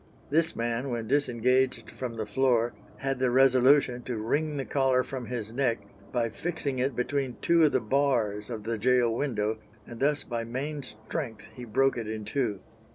This man, when disengaged from the floor, had the resolution to wring the collar from his neck by fixing it between two of the bars of the gaol window, and thus by main strength he broke it in two.